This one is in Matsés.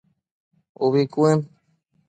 Ubi cuën